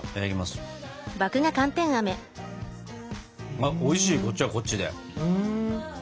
あおいしいこっちはこっちで。